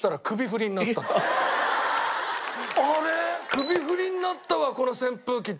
首振りになったわこの扇風機」って。